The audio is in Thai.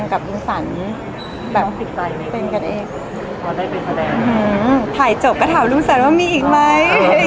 ถ่ายจบก็ถามลูกสาวว่ามีอีกไหม